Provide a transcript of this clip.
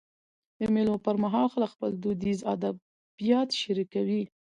د مېلو پر مهال خلک خپل دودیز ادبیات شريکوي.